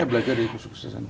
iya belajar dari kesuksesan